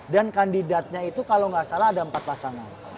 dan kandidatnya itu kalo gak salah ada empat pasangan